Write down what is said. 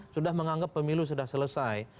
sudah menganggap pemilu sudah selesai